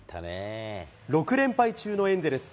６連敗中のエンゼルス。